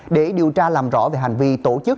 để điều tra làm rõ về hành vi tổ chức